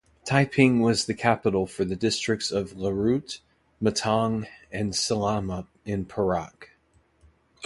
Taiping was the capital for the districts of Larut, Matang and Selama in Perak.